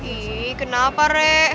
ih kenapa re